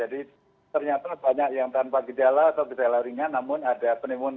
jadi ternyata banyak yang tanpa gudala atau gudala ringan namun ada penimun